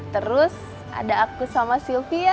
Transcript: terus ada aku sama sylvia